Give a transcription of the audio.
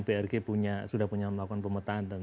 brg sudah punya melakukan pemetaan dan